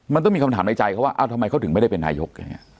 มันต้องมีคำถามในใจว่าทำไมเขาถึงไม่ได้เป็นนายยก